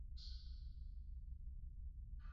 pata vyakula vingine tofauti kwa kuchakata viazi lishe